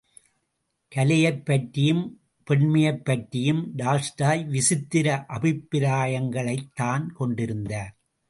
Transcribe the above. கலையைப் பற்றியும் பெண்மையைப் பற்றியும் டால்ஸ்டாய் விசித்திர அபிப்பிராயங்களைத்தான் கொண்டிருந்தார்.